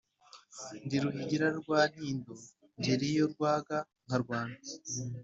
ndi Ruhigira rwa Ntindo ngera iyo rwaga nkarwana